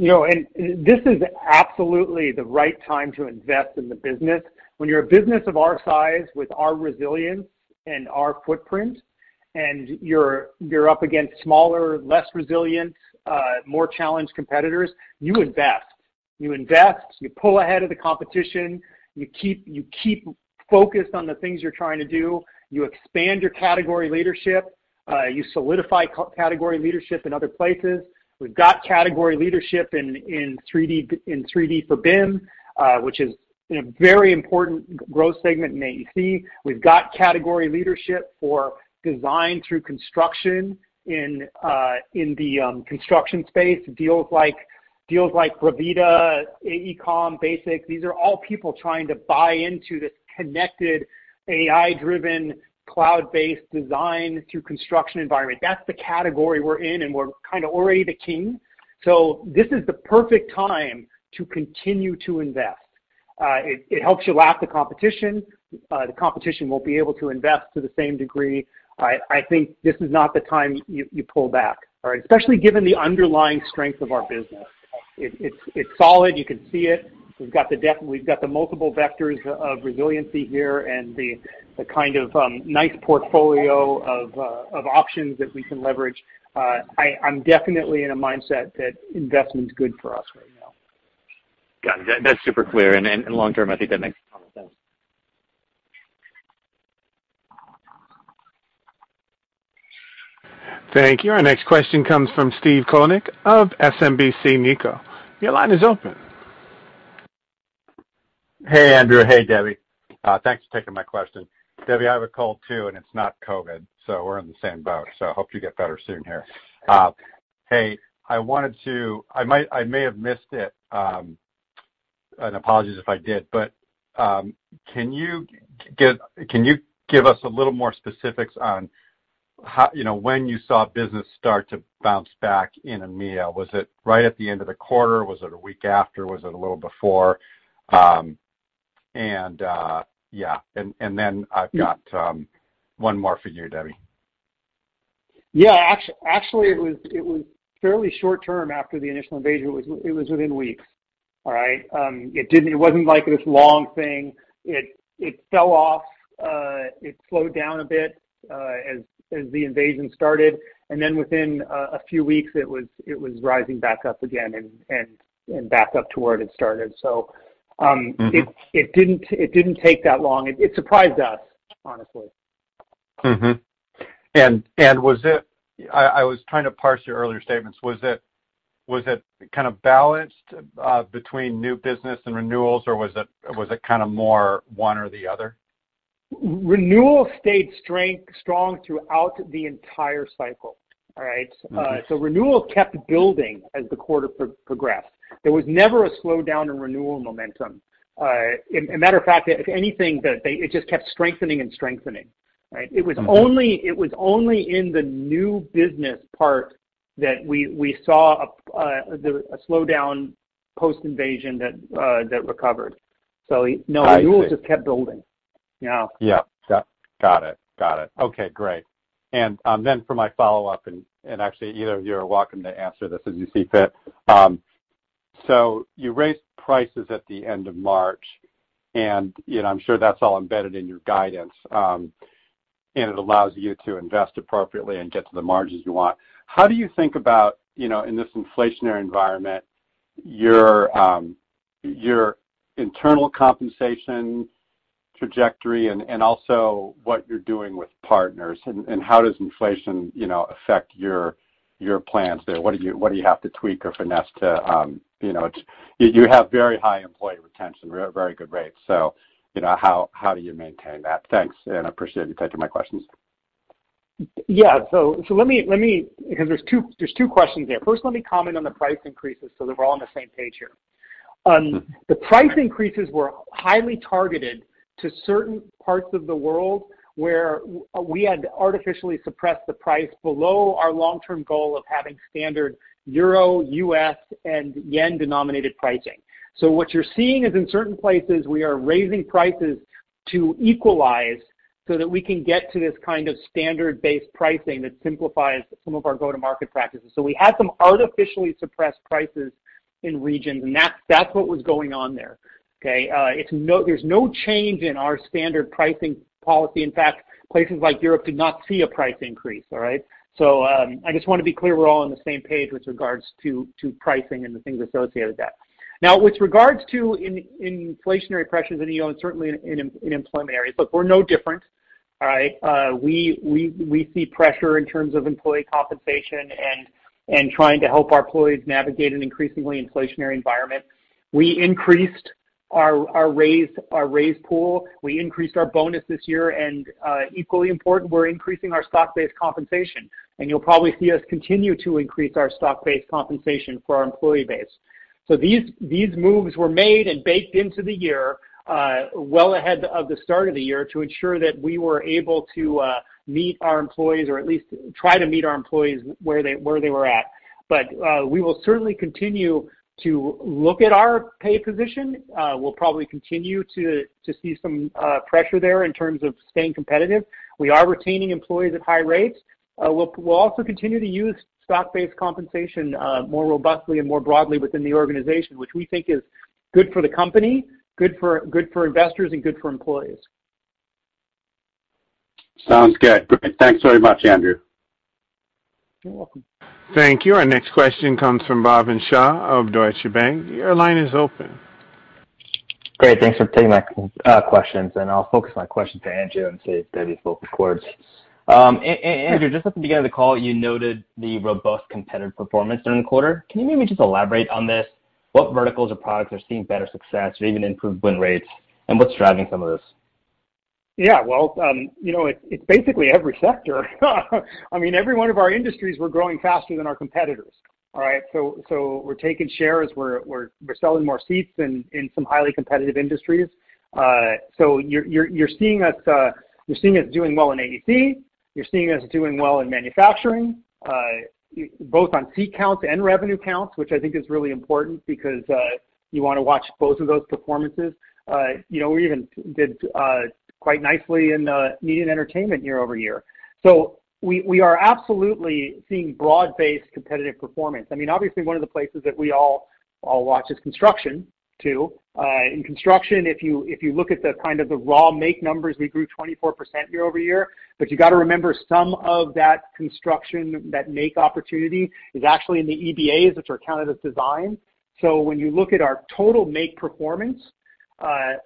C: You know, this is absolutely the right time to invest in the business. When you're a business of our size with our resilience and our footprint, and you're up against smaller, less resilient, more challenged competitors, you invest. You invest, you pull ahead of the competition, you keep focused on the things you're trying to do, you expand your category leadership, you solidify category leadership in other places. We've got category leadership in 3D for BIM, which is very important growth segment in AEC. We've got category leadership for design through construction in the construction space, deals like Bravida, AECOM, BESIX. These are all people trying to buy into this connected AI-driven cloud-based design through construction environment. That's the category we're in, and we're kind of already the king. This is the perfect time to continue to invest. It helps you lap the competition. The competition won't be able to invest to the same degree. I think this is not the time you pull back, all right? Especially given the underlying strength of our business. It's solid, you can see it. We've got the multiple vectors of resiliency here and the kind of nice portfolio of options that we can leverage. I'm definitely in a mindset that investment's good for us right now.
K: Got it. That's super clear. Long-term, I think that makes a ton of sense.
A: Thank you. Our next question comes from Steve Koenig of SMBC Nikko. Your line is open.
L: Hey, Andrew. Hey, Debbie. Thanks for taking my question. Debbie, I have a cold too, and it's not COVID, so we're in the same boat, so I hope you get better soon here. I wanted to. I may have missed it, and apologies if I did, but can you give us a little more specifics on how, you know, when you saw business start to bounce back in EMEA? Was it right at the end of the quarter? Was it a week after? Was it a little before? I've got one more for you, Debbie.
C: Yeah. Actually, it was fairly short term after the initial invasion. It was within weeks. All right? It wasn't like this long thing. It fell off, it slowed down a bit, as the invasion started, and then within a few weeks, it was rising back up again and back up to where it had started.
L: Mm-hmm.
C: It didn't take that long. It surprised us, honestly.
L: I was trying to parse your earlier statements. Was it kind of balanced between new business and renewals, or was it kind of more one or the other?
C: Renewal stayed strong throughout the entire cycle. All right?
L: Mm-hmm.
C: Renewal kept building as the quarter progressed. There was never a slowdown in renewal momentum. As a matter of fact, if anything, it just kept strengthening and strengthening. Right?
L: Mm-hmm.
C: It was only in the new business part that we saw a slowdown post-invasion that recovered. No...
L: I see.
C: Renewal just kept building. Yeah.
L: Got it. Okay, great. Then for my follow-up, and actually either of you are welcome to answer this as you see fit. So you raised prices at the end of March, and you know, I'm sure that's all embedded in your guidance, and it allows you to invest appropriately and get to the margins you want. How do you think about, you know, in this inflationary environment, your internal compensation trajectory and also what you're doing with partners, and how does inflation, you know, affect your plans there? What do you have to tweak or finesse, you know? You have very high employee retention, very good rates. You know, how do you maintain that? Thanks, and I appreciate you taking my questions.
C: Yeah. Let me. Because there's two questions there. First, let me comment on the price increases so that we're all on the same page here.
L: Mm-hmm.
C: The price increases were highly targeted to certain parts of the world where we had artificially suppressed the price below our long-term goal of having standard euro, US, and yen-denominated pricing. What you're seeing is in certain places, we are raising prices to equalize so that we can get to this kind of standard-based pricing that simplifies some of our go-to-market practices. We had some artificially suppressed prices in regions, and that's what was going on there, okay? There's no change in our standard pricing policy. In fact, places like Europe did not see a price increase, all right? I just want to be clear we're all on the same page with regards to pricing and the things associated with that. Now, with regards to inflationary pressures in EO and certainly in employment areas, look, we're no different. All right? We see pressure in terms of employee compensation and trying to help our employees navigate an increasingly inflationary environment. We increased our raise pool. We increased our bonus this year, and equally important, we're increasing our stock-based compensation. You'll probably see us continue to increase our stock-based compensation for our employee base. These moves were made and baked into the year well ahead of the start of the year to ensure that we were able to meet our employees or at least try to meet our employees where they were at. We will certainly continue to look at our pay position. We'll probably continue to see some pressure there in terms of staying competitive. We are retaining employees at high rates. We'll also continue to use stock-based compensation more robustly and more broadly within the organization, which we think is good for the company, good for investors, and good for employees.
L: Sounds good. Great. Thanks very much, Andrew.
C: You're welcome.
A: Thank you. Our next question comes from Bhavin Shah of Deutsche Bank. Your line is open.
M: Great. Thanks for taking my questions, and I'll focus my question to Andrew unless Debbie's still on. Andrew, just at the beginning of the call, you noted the robust competitive performance during the quarter. Can you maybe just elaborate on this? What verticals or products are seeing better success or even improved win rates, and what's driving some of this?
C: Yeah, well, you know, it's basically every sector. I mean, every one of our industries we're growing faster than our competitors. All right? We're taking shares, we're selling more seats in some highly competitive industries. You're seeing us doing well in AEC. You're seeing us doing well in manufacturing, both on seat counts and revenue counts, which I think is really important because you want to watch both of those performances. You know, we even did quite nicely in media and entertainment year-over-year. We are absolutely seeing broad-based competitive performance. I mean, obviously one of the places that we all watch is construction too. In construction, if you look at the raw make numbers, we grew 24% year-over-year. You got to remember some of that construction, that make opportunity is actually in the EBAs, which are counted as design. When you look at our total make performance, and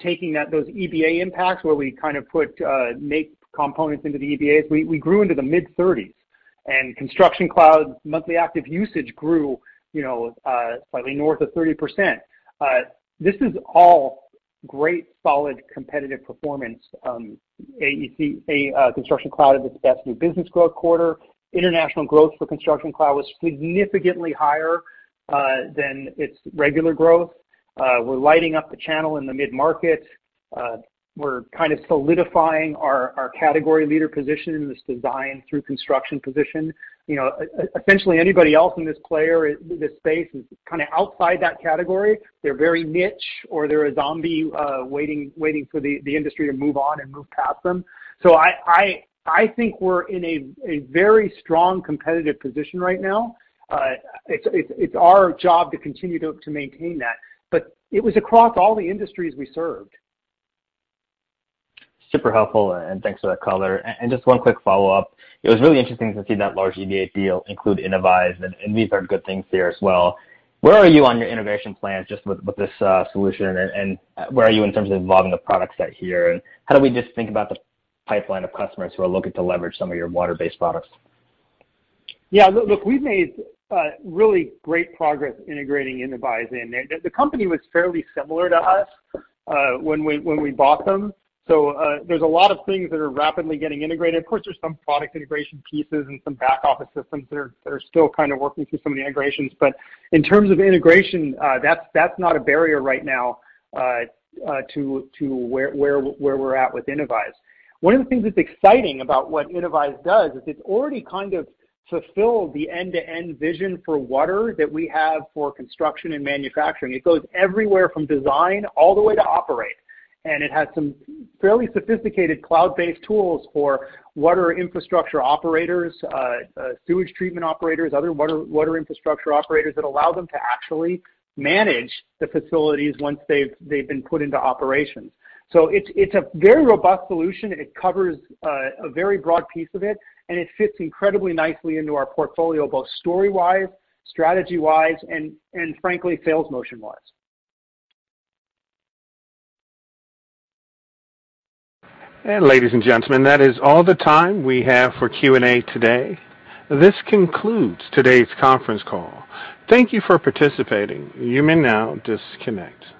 C: taking those EBA impacts where we kind of put make components into the EBAs, we grew into the mid-30%. Construction Cloud's monthly active usage grew, you know, slightly north of 30%. This is all great, solid, competitive performance. AEC, Construction Cloud had its best new business growth quarter. International growth for Construction Cloud was significantly higher than its regular growth. We're lighting up the channel in the mid-market. We're kind of solidifying our category leader position in this design through construction position. You know, essentially anybody else in this space is kind of outside that category. They're very niche, or they're a zombie, waiting for the industry to move on and move past them. I think we're in a very strong competitive position right now. It's our job to continue to maintain that, but it was across all the industries we served.
M: Super helpful, and thanks for that color. Just one quick follow-up. It was really interesting to see that large EBA deal include Innovyze, and we've heard good things there as well. Where are you on your innovation plans just with this solution, and where are you in terms of evolving the product set here? How do we just think about the pipeline of customers who are looking to leverage some of your water-based products?
C: Yeah, look, we've made really great progress integrating Innovyze in. The company was fairly similar to us when we bought them. There's a lot of things that are rapidly getting integrated. Of course, there's some product integration pieces and some back-office systems that are still kind of working through some of the integrations. In terms of integration, that's not a barrier right now to where we're at with Innovyze. One of the things that's exciting about what Innovyze does is it's already kind of fulfilled the end-to-end vision for water that we have for construction and manufacturing. It goes everywhere from design all the way to operate, and it has some fairly sophisticated cloud-based tools for water infrastructure operators, sewage treatment operators, other water infrastructure operators that allow them to actually manage the facilities once they've been put into operations. It's a very robust solution. It covers a very broad piece of it, and it fits incredibly nicely into our portfolio, both story-wise, strategy-wise, and frankly, sales motion wise.
A: Ladies and gentlemen, that is all the time we have for Q&A today. This concludes today's conference call. Thank you for participating. You may now disconnect.